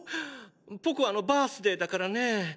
ポコアのバースデーだからね！